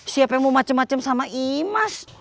siapa yang mau macem macem sama imas